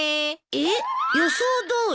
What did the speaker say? えっ？予想どおり？